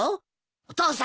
お父さん！